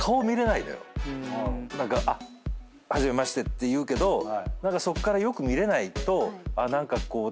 何か初めましてって言うけどそっからよく見れないと何かこう。